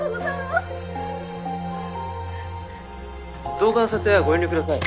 動画の撮影はご遠慮ください。